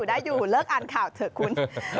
ได้อยู่เลิกอ่านข่าวเถอะคุณ